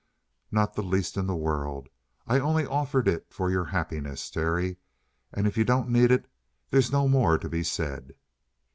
"Not the least in the world. I only offered it for your happiness, Terry. And if you don't need it, there's no more to be said!"